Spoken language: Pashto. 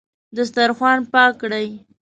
دسترخوان پاک کړئ